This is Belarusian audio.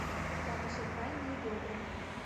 Там ўсё файна і добра.